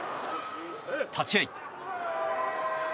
立ち合い。